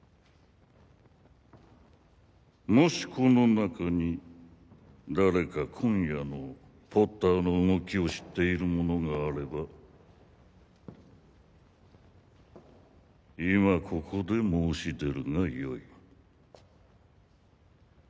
もしこの中に誰か今夜のポッターの動きを知っている者があれば今ここで申し出るがよい